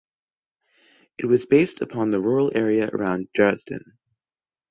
It was based upon the rural area around Dresden.